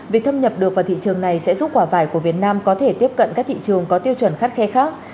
việc thâm nhập được vào thị trường này sẽ giúp quả vải của việt nam có thể tiếp cận các thị trường có tiêu chuẩn khắt khe khác